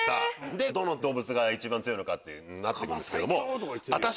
でどの動物が一番強いかってなっていくんです。